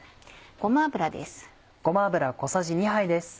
ごま油です。